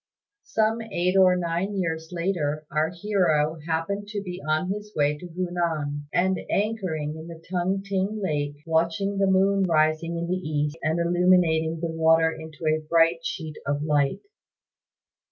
Some eight or nine years later our hero happened to be on his way to Hunan; and anchoring in the Tung t'ing lake, watched the moon rising in the east and illuminating the water into a bright sheet of light.